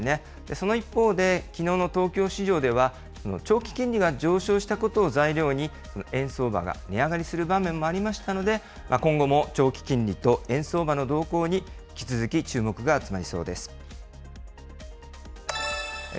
その一方で、きのうの東京市場では長期金利が上昇したことを材料に、円相場が値上がりする場面もありましたので、今後も長期金利と円相場の動向に引き続き注目が集まりそうです。